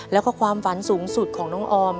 แล้วก็ความฝันสูงสุดของน้องออม